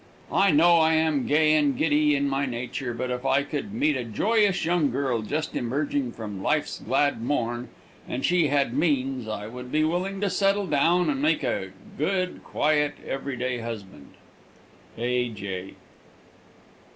"I know I am gay and giddy in my nature, but if I could meet a joyous young girl just emerging upon life's glad morn, and she had means, I would be willing to settle down and make a good, quiet, every day husband. "A. J."